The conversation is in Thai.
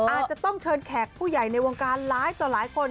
อาจจะต้องเชิญแขกผู้ใหญ่ในวงการร้ายต่อหลายคน